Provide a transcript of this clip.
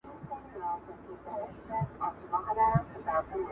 دا شېبه ده ډېره سخته او هېڅ وخت راسره نشته